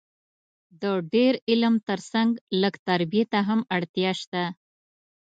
د ډېر علم تر څنګ لږ تربیې ته هم اړتیا سته